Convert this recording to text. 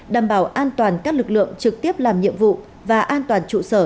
đảm bảo an toàn các lực lượng trực tiếp làm nhiệm vụ và an toàn trụ sở